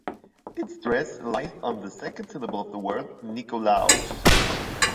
Its stress lies on the second syllable of the word "Nikolaos".